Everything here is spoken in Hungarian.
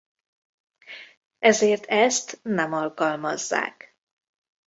Ezért ezt nem alkalmazzák.